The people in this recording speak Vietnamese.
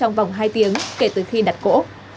trong vòng hai tiếng kể từ khi đặt cỗ